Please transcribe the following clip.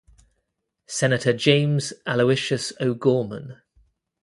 Senator James Aloysius O'Gorman.